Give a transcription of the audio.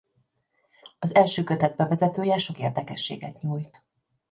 Az első kötet bevezetője sok érdekességet nyújt.